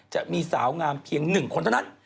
จะมีสาวงามเพียง๑คนเท่านั้น